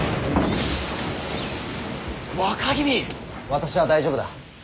私は大丈夫だ。